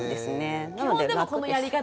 基本でもこのやり方で。